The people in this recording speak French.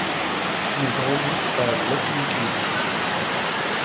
Il grandit à Locmiquelic.